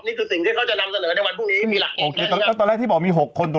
นี่คือสิ่งที่เขาจะนำเสนอในวันพรุ่งนี้ไม่มีหลักนิดแล้ว